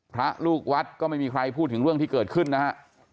พระลูกวัดก็ไม่มีใครพูดถึงเรื่องที่เกิดขึ้นนะฮะ